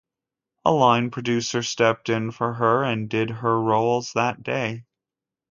A line producer stepped in for her and did her roles that day.